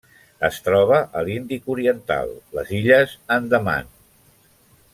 Es troba a l'Índic oriental: les Illes Andaman.